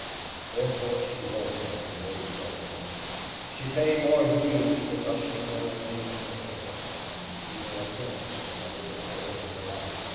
Therefore she welcomed Durade's ultimatum. She paid more heed to the brushing and arranging of her hair, and to her appearance, than ever before in her life.